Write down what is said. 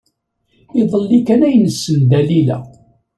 Iḍelli kan ay nessen Dalila.